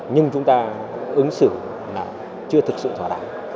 nhưng chúng ta ứng xử là chưa thực sự thỏa đáng